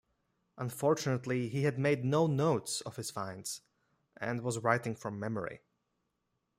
Unfortunately he had made no notes of his finds and was writing from memory.